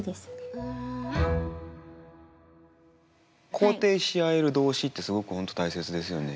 肯定し合える同志ってすごく本当大切ですよね。